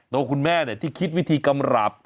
ตัวคุณแม่ที่คิดวิธีกำรับ